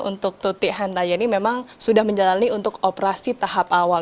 untuk tuti handayani memang sudah menjalani untuk operasi tahap awal